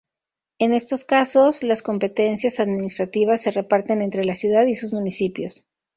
En estos casos, las competencias administrativas se reparten entre la ciudad y sus municipios.